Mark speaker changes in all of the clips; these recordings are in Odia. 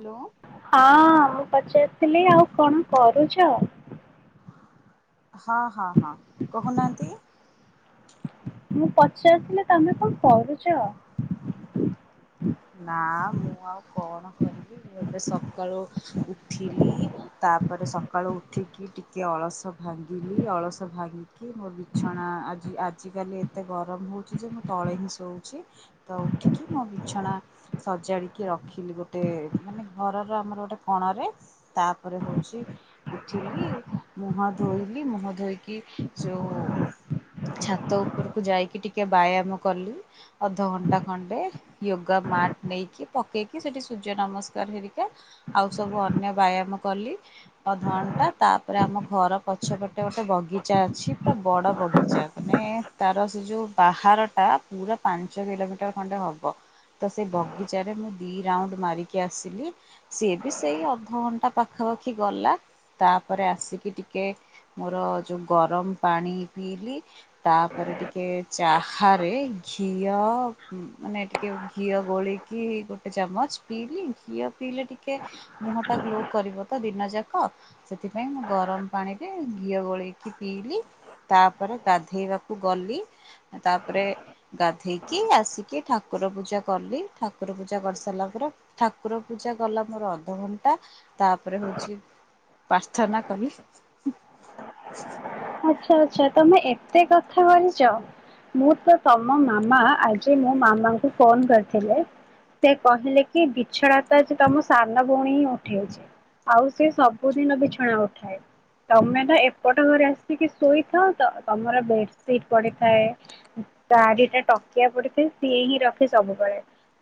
Speaker 1: ହ୍ୟାଲୋ।
Speaker 2: ହଁ ମୁଁ ପଚାରିଥିଲି ଆଉ କଣ କରୁଛ?
Speaker 1: ହଁ ହଁ ହଁ କହୁନାହାନ୍ତି।
Speaker 2: ମୁଁ ପଚାରୁଥିଲି ତମେ କଣ କରୁଛ?
Speaker 1: ନା ମୁଁ ଆଉ କଣ କରିବି। ମୁଁ ଏବେ ସକାଳୁ ଉଠିଲି। ତାପରେ ସକାଳୁ ଉଠିକି ଟିକେ ଅଳସ ଭାଙ୍ଗିଲି ଅଳସ ଭାଙ୍ଗିକି ମୋ ବିଛଣା ଆଜି ଆଜିକାଲି ଏତେ ଗରମ ହେଉଛି ଯେ ମୁଁ ତଳେ ହିଁ ଶୋଉଛି। ତ ଉଠିକି ମୋ ବିଛଣା ସଜାଡ଼ିକି ରଖିଲି ଗୋଟେ ମାନେ ଘରର ଆମର ଗୋଟେ କଣରେ। ତାପରେ ହଉଛି ଉଠିଲି ମୁହଁ ଧୋଇଲି। ମୁହଁ ଧୋଇକି ଯୋଉ ଛାତ ଉପରକୁ ଯାଇକି ଟିକେ ବ୍ୟାୟାମ କଲି ଅଧଘଣ୍ଟା ଖଣ୍ଡେ। ଗା ମାଟ୍ ନେଇକି ପକେଇକି ସେଠି ସୂର୍ଯ୍ୟ ନମସ୍କାର ହେରିକା ଆଉ ସବୁ ଅନ୍ୟ ବ୍ୟାୟାମ କଲି। ଅଧଘଣ୍ଟା ତାପରେ ଆମ ଘର ପଛ ପଟେ ଗୋଟେ ବଗିଚା ଅଛି। ପୁରା ବଡ ବଗିଚା। ମାନେ ତାର ସେ ଯୋଉ ବାହାର ଟା ପୁରା ପାଞ୍ଚ କିଲୋମିଟର ଖଣ୍ଡେ ହବ। ତ ସେଇ ବଗିଚାରେ ମୁଁ ଦିଇ ରାଉଣ୍ଡ ମାରି କି ଆସିଲି ସିଏ ବି ସେଇ ଅଧଘଣ୍ଟା ପାଖାପାଖି ଆଖି ଗଲା ତାପରେ ଆସିକି ଟିକେ ମୋର ଯୋଉ ଗରମ ପାଣି ପିଇଲି। ତାପରେ ଟିକେ ଚାହାରେ ଘିଅ ମାନେ ଟିକେ ଘିଅ ଗୋଳେଇ କି ଗୋଟେ ଚାମଚ ପିଇଲି ଘିଅ ପିଇଲେ ଟିକେ ମୁହଁ ଟା ଗ୍ଲୋ କରିବ ତ ଦିନ ଯାକ। ସେଥିପାଇଁ ମୁଁ ଗରମ ପାଣିରେ ଘିଅ ଗୋଳେଇକି ପିଇଲି। ତାପରେ ଗାଧେଇବାକୁ ଗଲି। ତାପରେ ଗାଧେଇକି ଆସିକି ଠାକୁର ପୂଜା କଲି ଠାକୁର ପୂଜା କରିସାରିଲା ପରେ ଠାକୁର ପୂଜା ଗଲା ମୋର ଅଧଘଣ୍ଟା ତାପରେ ହଉଛି ପାର୍ଥନା କଲି।
Speaker 2: ଆଚ୍ଛା ଆଚ୍ଛା ତମେ ଏତେ କଥା କରିଛ। ମୁଁ ତ ତମ ମାମା ଆଜି ମୋ ମାମାଙ୍କୁ ଫୋନ କରିଥିଲେ। ସେ କହିଲେ କି ବିଛଣା ତ ତମ ସାନ ଭଉଣୀ ହିଁ ଉଠେଇଛି। ଆଉ ସେ ସବୁଦିନ ବିଛଣା ଉଠାଏ। ତମେ ତ ଏପଟ ଘରେ ଆସି ସିକି ଶୋଇଥାଉ ତ ତମର ବେଡସିଟ୍ ପଡିଥାଏ। ଚାରିଟା ଟକିଆ ପଡିଥାଏ ସିଏ ହିଁ ରଖେ ସବୁବେଳେ।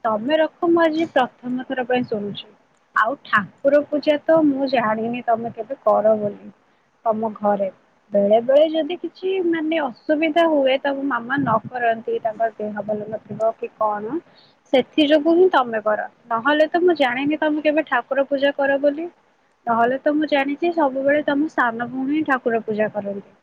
Speaker 2: ତମେ ରଖ ମୁଁ ଆଜି ପ୍ରଥମ ଥର ପାଇଁ ଶୁଣୁଛି। ଆଉ ଠାକୁର ପୂଜା ତ ମୁଁ ଜାଣିନି ତମେ କେବେ କର ବୋଲି। ତମ ଘରେ। ବେଳେ ବେଳେ ଯଦି କିଛି ମାନେ ଅସୁବିଧା ହୁଏ। ତ ମାମା ନ କରନ୍ତି ତାଙ୍କର ଦେହ ଭଲ ନଥିଲେ କି କଣ? ସେଥି ଯୋଗୁ ହିଁ ତମେ କର ନହେଲେ ତ ମୁଁ ଜାଣିନି ତମେ କେବେ ଠାକୁର ପୂଜା କର ବୋଲି। ନହେଲେ ତ ମୁଁ ଜାଣିଛି ସବୁବେଳେ ତମ ସାନ ଭଉଣୀ ହିଁ ଠାକୁର ପୂଜା କରନ୍ତି।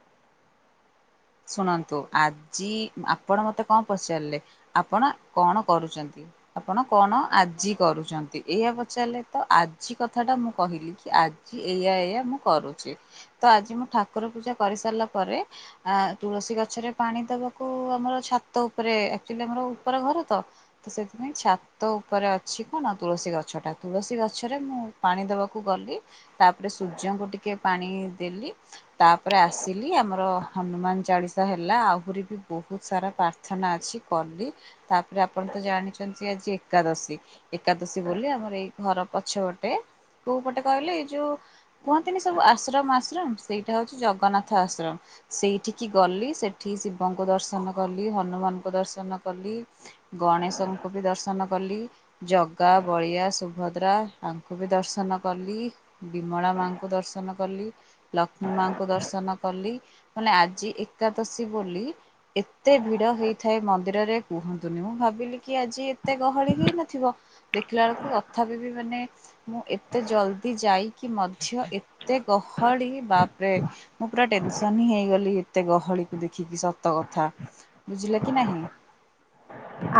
Speaker 1: ଶୁଣନ୍ତୁ ଆଜି ଆପଣ ମତେ କଣ ପଚାରିଲେ ଆପଣ କଣ କରୁଛନ୍ତି? ଆପଣ କଣ ଆଜି କରୁଛନ୍ତି। ଏଇଆ ପଚାରିଲେ ତ ଆଜି କଥା ଟା ମୁଁ କହିଲି କି ଆ ଜି ଏଇଆ ଏଇୟା ମୁଁ କରୁଛି ତ ଆଜି ମୁଁ ଠାକୁର ପୂଜା କରିସାରିଲା ପରେ ଆ ତୁଳସୀ ଗଛରେ ପାଣି ଦବାକୁ ଆମର ଛାତ ଉପରେ ଆକ୍ଚୁଲି ଆମର ଉପରେ ଘର ତ। ତ ସେଥିପାଇଁ ଛାତ ଉପରେ ଅଛି କଣ ତୁଳସୀ ଗଛଟା। ତୁଳସୀ ଗଛରେ ମୁଁ ପାଣି ଦବାକୁ ଗଲି। ତାପରେ ସୂର୍ଯ୍ୟଙ୍କୁ ଟିକେ ପାଣି ଦେଲି। ତାପରେ ଆସିଲି ଆମର ହନୁମାନ ଚାଳିଶା ହେଲା। ଆହୁରି ବି ବହୁତ୍ ସାରା ପ୍ରାର୍ଥନା ଅଛି କଲି। ତାପରେ ଆପଣ ତ ଜାଣିଛନ୍ତି ଆଜି ଏକାଦଶୀ। ଏକାଦଶୀ ବୋଲି ଆମର ଏଇ ଘର ପଛପଟେ କୋଉ ପଟେ କହିଲେ ଏଇ ଯୋଉ କୁହନ୍ତିନି ସବୁ ଆଶ୍ରମ ଆଶ୍ରମ ସେଇଟା ହଉଚି ଜଗନ୍ନାଥ ଆଶ୍ରମ। ସେଇଠିକି ଗଲି ସେଠି ଶିବଙ୍କୁ ଦର୍ଶନ କଲି ହନୁମାନଙ୍କୁ ଦର୍ଶନ କଲି। ଗଣେଶଙ୍କୁ ବି ଦର୍ଶନ କଲି। ଜଗା, ବଳିଆ, ସୁଭଦ୍ରା ତାଙ୍କୁ ବି ଦର୍ଶନ କଲି। ବିମଳା ମାଙ୍କୁ ଦର୍ଶନ କଲି। ଲକ୍ଷ୍ମୀ ମାଙ୍କୁ ଦର୍ଶନ କଲି। ମାନେ ଆଜି ଏକାଦଶୀ ବୋଲି ଏତେ ଭିଡ ହେଇଥାଏ ମନ୍ଦିରରେ କୁହନ୍ତୁନି। ମୁଁ ଭାବିଲି କି ଆଜି ଏତେ ଗହଳି ହେଇନଥିବ। ଦେଖିଲା ବେଳକୁ ତଥାପି ବି ମାନେ ମୁଁ ଏତେ ଜଲଦି ଯାଇକି ମଧ୍ୟ ଏ ଏତେ ଗହଳି ବାପ୍ ରେ ମୁଁ ପୁରା ଟେନସନ୍ ହିଁ ହେଇ ଗଲି ଏତେ ଗହଳିକୁ ଦେଖିକି ସତ କଥା ବୁଝିଲେ କି ନାହିଁ।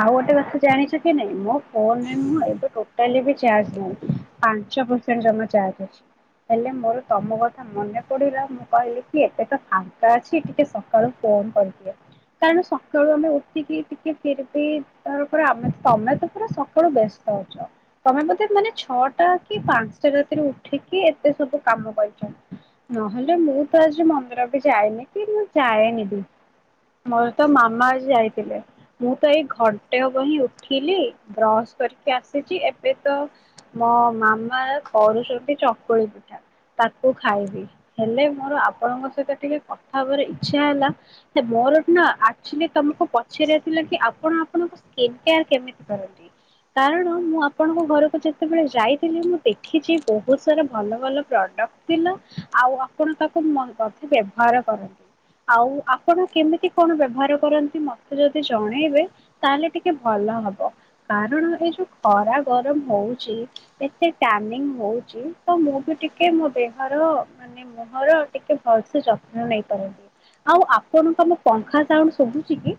Speaker 2: ଆଉ ଗୋଟ କଥା ଜାଣିଚ କି ନାଇଁ ମୋ ଫୋନ୍ ରେ ନୁହଁ ଏବେ ଟୋଟାଲି ବି ଚାର୍ଜ ନାଇ। ପାଞ୍ଚ ପର୍ସେଣ୍ଟ ଜମା ଚାର୍ଜ ଅଛି। ହେଲେ ମୋର ତମ କଥା ମନେ ପଡିଲା ମୁଁ କହିଲି କି ଏବେ ତ ଫାଙ୍କା ଅଛି ଟିକେ ସକାଳୁ ଫୋନ କରିଦିଏ। କାରଣ ସକାଳୁ ଆମେ ଉଠିକି ଟିକେ ଫିର୍ ବି ତ ପରା ଆମେ ତମେ ତ ପୁରା ସକାଳୁ ବ୍ୟସ୍ତ ଅଛ। ତମେ ବୋଧେ ମାନେ ଛଅଟା କି ପାଞ୍ଚଟା ରାତିରେ ଉଠିକି ଏତେ ସବୁ କାମ କରିଚ। ନହେଲେ ମୁଁ ତ ଆଜି ମନ୍ଦିର ବି ଯାଏନି କି ମୁଁ ଯାଏନି ବି। ମୋର ତ ମାମା ଆଜି ଯାଇଥିଲେ। ମୁଁ ତ ଏଇ ଘଣ୍ଟେ ହବ ହିଁ ଉଠିଲି, ବ୍ରଶ କରିକି ଆସିଚି ଏବେ ତ ମୋ ମାମା କରୁଛନ୍ତି ଚକୁଳି ପିଠା। ତାକୁ ଖାଇବି। ହେଲେ ମୋର ଆପଣଙ୍କ ସହିତ ଟିକେ କଥା ହବାର ଇଚ୍ଛା ହେଲା ଏ ମୋର ନୁହଁ ଆକଚୁଆଲି ତମକୁ ପଚରିବା ଥିଲା କି ଆପଣ ଆପଣଙ୍କ ସ୍କିନ କେୟାର କେମିତି କରନ୍ତି? କାରଣ ମୁଁ ଆପଣଙ୍କ ଘରକୁ ଯେତେବେଳେ ଯାଇଥିଲି ମୁଁ ଦେଖିଚି ବହୁତ୍ ସାରା ଭଲ ଭଲ ପ୍ରଡ଼କ୍ଟ ଥିଲା। ଆଉ ଆପଣ ତାକୁ ବୋଧେ ବ୍ୟବହାର କରନ୍ତି। ଆଉ ଆପଣ କେମିତି କଣ ବ୍ୟବହାର କରନ୍ତି ମତେ ଯଦି ଜଣେଇବେ ତାହେଲେ ଟିକେ ଭଲ ହବ। କାରଣ ଏ ଯୋଉ ଖରା ଗରମ ହଉଚି ଏତେ ଟ୍ୟାନିଙ୍ଗ୍ ହଉଚି ତ ମୁଁ ବି ଟିକେ ମୋ ଦେହର ମାନେ ମୁହଁର ଟିକେ ଭଲସେ ଯତ୍ନ ନେଇପାରନ୍ତି। ଆଉ ଆପଣଙ୍କୁ ଆମ ମୁଁ ପଙ୍ଖା ସାଉଣ୍ଡ ଶୁଭୁଚି କି?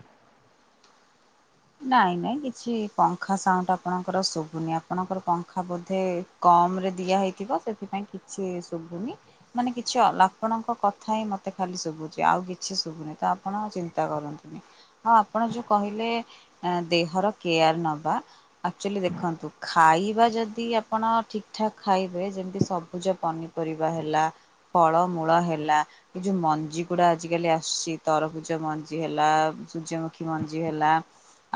Speaker 1: ନାଇଁ ନାଇଁ କିଛି ପଙ୍ଖା ସାଉଣ୍ଡ ଆପଣଙ୍କର ଶୁବୁନି। ଆପଣଙ୍କର ପଙ୍ଖା ବୋଧେ କମ୍ ରେ ଦିଆହେଇଥିବ, ସେଥିପାଇଁ କିଛି ଶୁବୁନି। ମାନେ କିଛି ଆପଣଙ୍କ କଥା ହିଁ ମୋତେ ଖାଲି ଶୁବୁଚି। ଆଉ କିଛି ଶୁଭୁନି। ତ ଆପଣ ଚିନ୍ତା କରନ୍ତୁନି। ହଁ ଆପଣ ଯୋଉ କହିଲେ ଦେହର କେୟାର ନବା, ଆକଚୁଆଲି ଦେଖନ୍ତୁ ଖାଇବା ଯଦି ଆପଣ ଠିକ୍ ଠାକ୍ ଖାଇବେ ଯେମିତି ସବୁଜ ପନିପରିବା ହେଲା, ଫଳମୂଳ ହେଲା ଏ ଯୋଉ ମଞ୍ଜି ଗୁଡା ଆଜିିକାଲି ଆସୁଚି ତରଭୂଜ ମଞ୍ଜି ହେଲା, ସୂର୍ଯ୍ୟମୁଖୀ ମଞ୍ଜି ହେଲା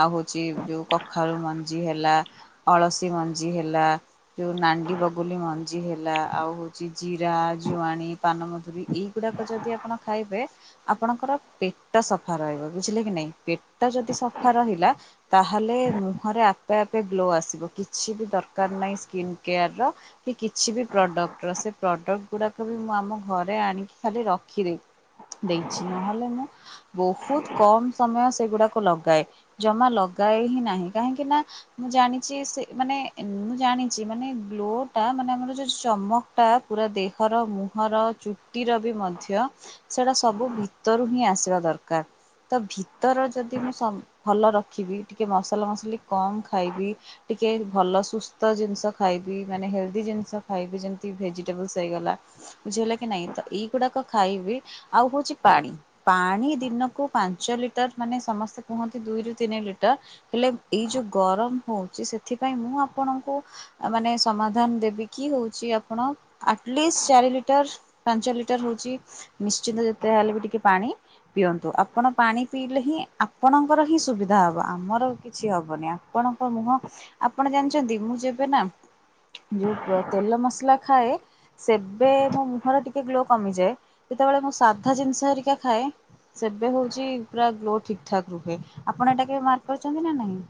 Speaker 1: ଆଉ ହଉଛି ଯୋଉ କଖାରୁ ମଞ୍ଜି ହେଲା ଅଳସୀ ମଞ୍ଜି ହେଲା। ଯୋଉ ନାଣ୍ଡି ବଗୁଲି ମଞ୍ଜି ହେଲା ଆଉ ହଉଛି ଜିରା ଜୁଆଣି ପାନମଧୁରୀ ଏଇ ଗୁଡ଼ାକ ଯଦି ଆପଣ ଖାଇବେ। ଆପଣଙ୍କର ପେଟ ସଫା ରହିବ ବୁଝିଲେ କି ନାଇଁ ପେଟ ଯଦି ସଫା ରହି ଲା ତାହେଲେ ମୁହଁରେ ଆପେ ଆପେ ଗ୍ଲୋ ଆସିବ କିଛି ବି ଦର କାର୍ ନାଇଁ ସ୍କିନ୍ କେୟାର କି କିଛି ବି ପ୍ରଡ଼କ୍ଟର ସେ ପ୍ରଡ଼କ୍ଟ ଗୁଡ଼ାକବି ମୁଁ ଆମ ଘରେ ରେ ଆଣିକି ଖାଲି ରଖିଦେଇ ଦେଇଛି ନହେଲେ ମୁଁ ବହୁତ୍ କମ ସମୟ ସେଗୁଡାକ ଲଗାଏ। ଜମା ଲଗାଏ ହିଁ ନାହିଁ କାହିଁକି ନା ମୁଁ ଜାଣି ଚି ସେ ମାନେ ମୁଁ ଜାଣିଛି ମାନେ ଗ୍ଲୋ ଟା ମାନେ ଆମର ଯୋଉ ଚମକ ଟା ପୁରା ଦେହର ମୁହଁର ଚୁଟିର ବି ମଧ୍ୟ ସେଟା ସବୁ ଭିତରୁ ହିଁ ଆସିବା ଦରକାର ତ ଭିତର ଯଦି ମୁଁ ସବ ଭଲ ରଖିବି ଟିକେ ମସଲା ମସଲି କମ୍ ଖାଇବି। ଟିକେ ଭଲ ସୁସ୍ଥ ଜିନିଷ ଖାଇବି ମାନେ ହେଲ୍ଦି ଜିନିଷ ଖାଇବି ଯେମତି ଭେଜିଟେବଲ୍ସ ହେଇଗଲା। ବୁଝି ହେଲା କି ନାଇଁ ତ ଏଇଗୁଡାକ ଖାଇବି ଆଉ ହଉଛି ପାଣି। ପାଣି ଦିନକୁ ପାଞ୍ଚ ଲିଟର ମାନେ ସମସ୍ତେ କୁହନ୍ତି। ଦୁଇରୁୁ ତିନି ଲିଟର ହେଲେ ଏଇ ଯୋଉ ଗରମ ହଉଛି ସେଥିପାଇଁ ମୁଁ ଆପଣଙ୍କୁ ମାନେ ସମାଧାନ ଦେବି କିି ହଉଛି ଆପଣ ଆଟଲିଷ୍ଟ୍ ଚାରିି ଲିଟର ପାଞ୍ଚ ଲିଟର ହଉଛି ନିଶ୍ଚିନ୍ତ ଯେତେ ଯାହେଲେ ବି ଟିକେ ପାଣି ପିଅନ୍ତୁ ଆପଣ ପାଣି ପିଇଲେ ହିଁ ଆପଣ ଙ୍କର ହିଁ ସୁବିଧା ହବ ଆମର କିଛି ହବନି ଆପଣଙ୍କ ମୁହଁ ଆପଣ ଜାଣିଛନ୍ତି ମୁଁ ଯେବେ ନା ଯୋଉ ତେଲ ମସଲା ଖାଏ। ସେବେ ମୋ ମୁହଁରେ ଟିକେ ଗ୍ଲୋ କମିଯାଏ ଯେତେବେଳେ ମୁଁ ସାଧା ଜିନିଷ ହେରିକା ଖାଏ। ସେବେ ହଉଛି ପୁରା ଗ୍ଲୋ ଠିକ୍ ଠାକ୍ ରୁହେ ଆପଣ ଏଟା କେବେ ମାର୍କ କରିଛନ୍ତି ନା ନାଇଁ?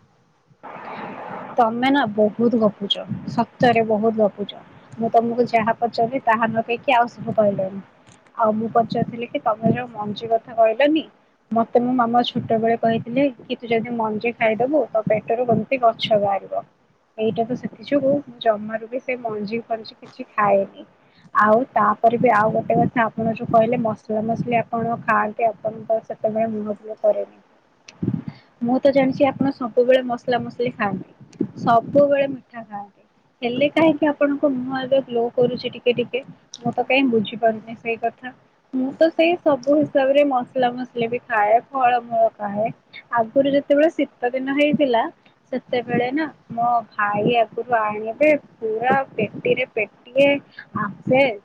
Speaker 2: ତମେ ନା ବହୁତ୍ ଗପୁଚ ସତରେ ବହୁତ ଗପୁଚ। ମୁଁ ତମକୁ ଯାହା ପଚବି ତାହା ନକହିକି ଆଉ ସବୁ କହିଲଣି। ଆଉ ମୁଁ ପଚାରିଥିଲି କି ତମେ ଯୋଉ ମଞ୍ଜି କଥା କହିଲନି ମତେ ମୋ ମାମା ଛୋଟବେେଳେ କହିଥିଲେ କି ତୁ ଯଦି ମଞ୍ଜି ଖାଇଦବୁ ତ ପେଟରୁ କେମତି ଗ ଛ ବାହାରିବ। ଏଇଟା ତ ସେଥି ଯୋଗୁ ମୁଁ ଜମାରୁ ବି ସେ ମଞ୍ଜି ଫଞ୍ଜି କିଛି ଖାଏନି। ଆଉ ତାପରେ ବି ଆଉ ଗୋଟେ କଥା ଆପଣ ଯୋଉ କହିଲେ ମସଲା ମସଲି ଆପଣ ଖାଆନ୍ତି ଆପଣଙ୍କ ସେତେବେଳେ ମୁହଁ ଫୁଲ କରେନି ମୁଁ ତ ଜାଣିଛି ଆପଣ ସବୁବେଳେ ମସଲା ମସ ଖାଲି ଖାଆନ୍ତି ସବୁବେଳେ ମିଠା ଖାଆନ୍ତି। ହେଲେ କାହିଁକି ଆପଣଙ୍କ ମୁହଁ ଏବେ ଗ୍ଲୋ କରୁଛି ଟିକେ ଟିକେ? ମୁଁ ତ କାଇଁ ବୁଝିପାରୁନି ସେଇ କଥା? ମୁଁ ତ ସେଇ ସବୁ ହିସାବରେ ମସଲା ମସଲି ବି ଖାଏ ଫଳମୂଳ ଖାଏ। ଆଗରୁ ଯେତେବେଳେ ଶୀତ ଦିନ ହେଇଥିଲା। ସେତେବେଳେ ନା ମୋ ଭାଇ ଆଗରୁ ଆଣିବେ ପୁରା ପେଟିରେ ପେ ଟିଏ ଆପେଲ୍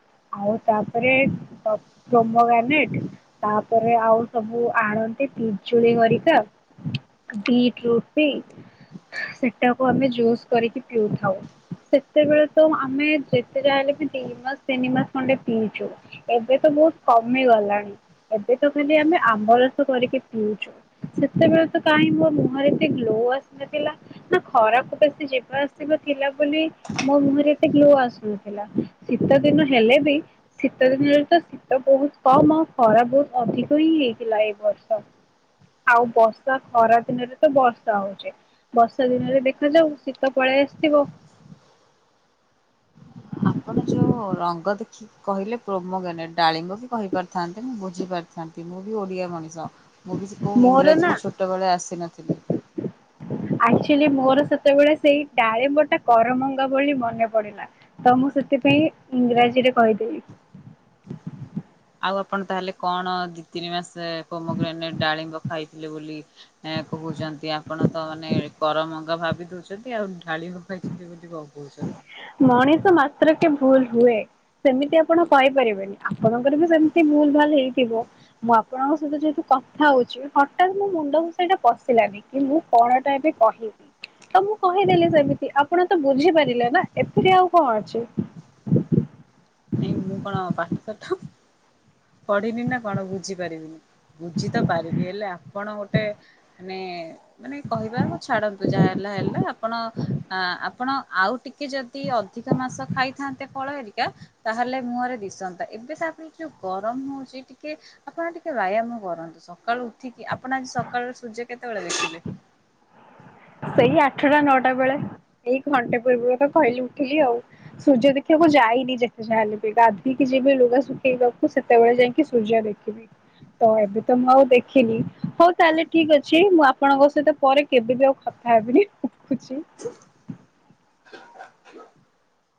Speaker 2: ଆଉ ତାପରେ ପ ପ୍ରୋମୋଗ୍ରାନେଟ୍। ତାପରେ ଆଉ ସବୁ ଆଣନ୍ତି ପିଜୁଳି ହରିକା। ବିଟ୍ ରୁଟ୍ ବି। ସେଟାକୁ ଆମେ ଜୁସ୍ କରିକି ପିଉଥାଉ। ସେତେବେଳେ ତ ଆମେ ଯେତେ ଯାହା ହେଲେ ବି ଦି ମାସ ତିନି ମାସ ଖଣ୍ଡେ ପିଇଛୁ। ଏବେ ତ ବହୁତ୍ କମି ଗଲାଣି ଏବେ ତ ଖାଲି ଆମେ ଆମ୍ବ ରସ କରିକି ପିଉଛୁ। ସେତେବେଳେ ତ କାଇଁ ମୋ ମୁହଁରେ ଏତେ ଗ୍ଲୋ ଆସିନଥିଲା? ନା ଖରାକୁ ବେଶୀ ଯିବା ଆସିବା ଥିଲା ବୋଲି ମୋ ମୁହଁରେ ଏତେ ଗ୍ଲୋ ଆସୁନଥିଲା। ଶୀତ ଦିନ ହେଲେ ବି, ଶୀତ ଦିନରେ ତ ତ ବହୁତ କମ୍ ଆଉ ଖରା ବହୁତ ଅଧିକ ହିଁ ହେଇଥିଲା ଏ ବର୍ଷ। ଆଉ ବର୍ଷା, ଖରା ଦିନରେ ତ ବର୍ଷା ହଉଛି। ବର୍ଷା ଦିନରେ ଦେଖାଯାଉ ଶୀତ ପଳେଇ ଆସିଥିବ।
Speaker 1: ଆପଣ ଯୋଉ ରଙ୍ଗ ଦେଖିକି କହିଲେ ପ୍ରୋମୋଗାନେଟ୍, ଡାଳିମ୍ବ ବି କହିପାରି ଥାନ୍ତେ। ମୁଁ ବୁଝିପାରି ଥାନ୍ତି। ମୁଁ ବି ଓଡ଼ିଆ ମଣିଷ। ମୁଁ କିଛି କୋଉ
Speaker 2: ମୋର ନା
Speaker 1: ଇଂରାଜୀରୁ ଛୋଟବେଳେ ଆସିନଥିଲି।
Speaker 2: ଆକ୍ଚୁଲି ମୋର ସେତେବେଳେ ସେଇ ଡାଳିମ୍ବଟା କରମଙ୍ଗା ବୋଲି ମନେ ପଡିଲା। ତ ମୁଁ ସେଥିପାଇଁ ଇଂରାଜୀରେ କହିଦେଲି।
Speaker 1: ଆଉ ଆପଣ ତାହେଲେ କଣ ଦିଇ, ତିନି ମାସ ପ୍ରୋମୋଗ୍ରାନେଟ୍ ଡାଳିମ୍ବ ଖାଇଥିଲେ ବୋଲି ଏ କହୁଛନ୍ତି। ଆପଣ ତ ମାନେ କରମଙ୍ଗା ଭାବି ଦଉଛନ୍ତି ଆଉ ଡାଳିମ୍ବ ଖାଇଛନ୍ତି ବୋଲି କଣ। [inaudible]
Speaker 2: ମଣିଷ ମାତ୍ର କେ ଭୁଲ୍ ହୁଏ। ସେମିତି ଆପଣ କହି ପାରିବେନି। ଆପଣଙ୍କର ବି ସେମିତି ଭୁଲ୍ ଭାଲ୍ ହେଇଥିବ। ମୁଁ ଆପଣଙ୍କ ସହିତ ଯେହେତୁ କଥା ହଉଚି ହଠାତ୍ ମୋ ମୁଣ୍ଡକୁ ସେଇଟା ପଶିଲାନି, କି ମୁଁ କଣ ଟା ଏବେ କହିବି? ତ ମୁଁ କହିଦେଲି ସେମିତି। ଆପଣ ତ ବୁଝିପାରିଲେ ନା ଏଥିରେ ଆଉ କଣ ଅଛି?
Speaker 1: ନାଇଁ ମୁଁ କଣ ପାଠଶାଠ ପଢିନି ନା କଣ ବୁଝି ପାରିବିନି? ବୁଝି ତ ପାରିବି, ହେଲେ ଆପଣ ଗୋଟେ ମାନେ ମାନେ କହିବା ହଉ ଛାଡ଼ନ୍ତୁ ଯାହା ହେଲା ହେଲା। ଆପଣ ଆଁ ଆପଣ ଆଉ ଟିକେ ଯଦି ଅଧିକ ମାସ ଖାଇଥାନ୍ତେ ଫଳ ହେରିକା ତାହେଲେ ମୁହଁରେ ଦିଶନ୍ତା। ଏବେ ତାପରେ ଯୋଉ ଗରମ ହଉଛି ଟିକେ ଆପଣ ଟିକେ ବାୟାମ କରନ୍ତୁ। ସକାଳୁ ଉଠିକି, ଆପଣ ଆଜି ସକାଳର ସୂର୍ଯ୍ୟ କେତେବେଳେ ଦେଖିଲେ?
Speaker 2: ସେଇ ଆଠଟା ନଅଟା ବେଳେ। ଏଇ ଘଣ୍ଟେ ପୂର୍ବରୁ ତ କହିଲି ଉଠିଲି ଆଉ। ସୂର୍ଯ୍ୟ ଦେଖିବାକୁ ଯାଇନି ଯେତେ ଯାହା ହେଲେ ବି। ଗାଧୋଇକି ଯିବି ଲୁଗା ଶୁଖେଇବାକୁ ସେ ତେବେଳେ ଯାଇକି ସୂର୍ଯ୍ୟ ଦେଖିବି। ତ ଏବେ ତ ମୁଁ ଆଉ ଦେଖିନି। ହଉ ତାହେଲେ ଠିକ୍ ଅଛି ମୁଁ ଆପଣଙ୍କ ସହିତ ପରେ କେବେ ବି ଆଉ କ ଥା ହେବିନି ରଖୁଛି।